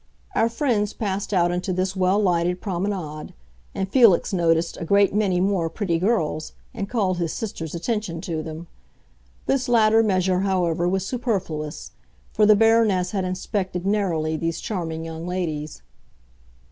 Our friends passed out into this well lighted promenade, and Felix noticed a great many more pretty girls and called his sister's attention to them. This latter measure, however, was superfluous; for the Baroness had inspected, narrowly, these charming young ladies.